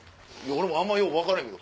俺もあんまよう分からへんけど。